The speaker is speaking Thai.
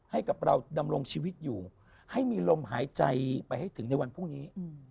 ให้กับเราดำรงชีวิตอยู่ให้มีลมหายใจไปให้ถึงในวันพรุ่งนี้